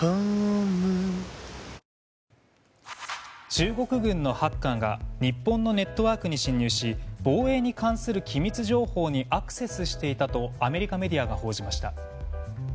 中国軍のハッカーが日本のネットワークに侵入し防衛に関する機密情報にアクセスしていたとアメリカメディアが報じました。